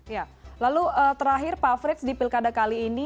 ya lalu terakhir pak frits di pilkada kali ini